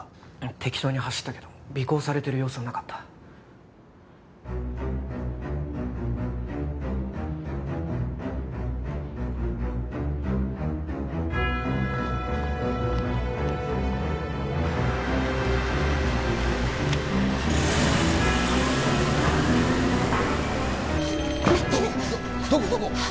適当に走ったけど尾行されてる様子はなかった鳴ってるどこどこ？